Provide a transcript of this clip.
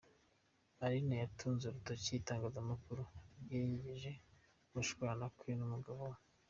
Aline yatunze urutoki itangazamakuru ryenyegeje gushwana kwe n’umugabo we.